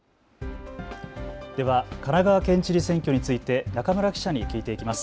では神奈川県知事選挙について中村記者に聞いていきます。